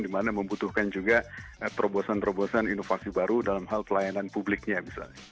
dimana membutuhkan juga terobosan terobosan inovasi baru dalam hal pelayanan publiknya misalnya